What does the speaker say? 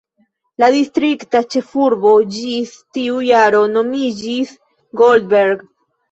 La distrikta ĉefurbo ĝis tiu jaro nomiĝis "Goldberg".